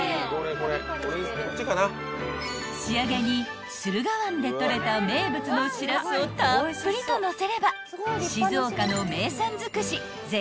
［仕上げに駿河湾で取れた名物のしらすをたっぷりとのせれば静岡の名産尽くし］